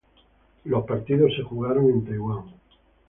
Los partidos se jugaron en Taiwán.